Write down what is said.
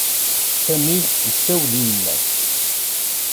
Sami issawel i yemma-s.